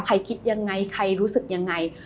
คิดยังไงใครรู้สึกยังไง